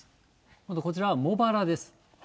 今度こちらは茂原です。